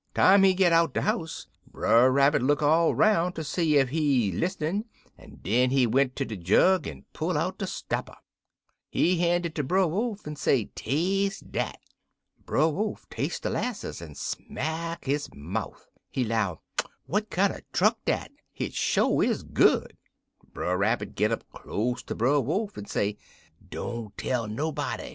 Time he git out de house, Brer Rabbit look all 'roun' ter see ef he lis'nen, en den he went ter de jug en pull out de stopper. "He han' it ter Brer Wolf en say, 'Tas'e dat.' "Brer Wolf tas'e de 'lasses, en smack his mouf. He 'low, 'What kinder truck dat? Hit sho is good.' "Brer Rabbit git up close ter Brer Wolf en say, 'Don't tell nobody.